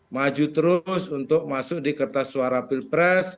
maju terus untuk masuk di kertas suara pilpres